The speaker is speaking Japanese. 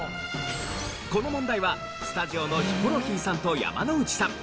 この問題はスタジオのヒコロヒーさんと山之内さん